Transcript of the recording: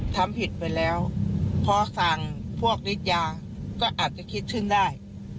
ทำผิดไปแล้วพอสั่งพวกฤทยาก็อาจจะคิดถึงได้